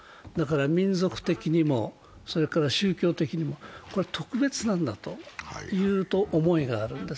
民族的にも宗教的にもこれは特別なんだという思いがあるんです。